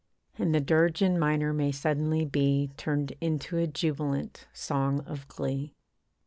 And the dirge in minor may suddenly be Turned into a jubilant song of glee.